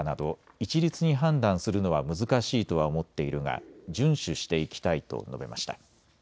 一律に判断するのは難しいとは思っているが順守していきたいと述べました。